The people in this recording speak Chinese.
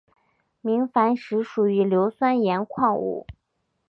明矾石属于硫酸盐矿物。